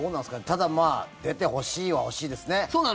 ただ、出てほしいはほしいですね。